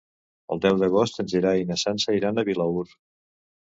El deu d'agost en Gerai i na Sança iran a Vilaür.